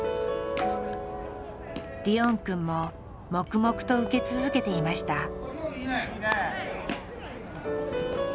リオンくんも黙々と受け続けていました。